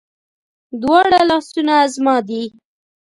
دواړه لاسونه زما دي